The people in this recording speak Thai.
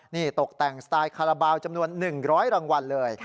นี่ตกแต่งสไตล์คาราบาลจำนวน๑๐๐รางวัลเลย